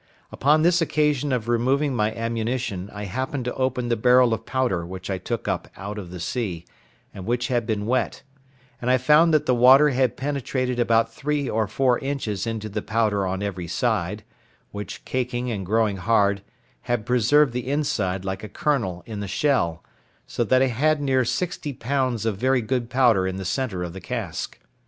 Upon this occasion of removing my ammunition I happened to open the barrel of powder which I took up out of the sea, and which had been wet, and I found that the water had penetrated about three or four inches into the powder on every side, which caking and growing hard, had preserved the inside like a kernel in the shell, so that I had near sixty pounds of very good powder in the centre of the cask.